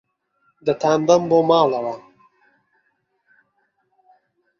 دەتانبەم بۆ ماڵەوە.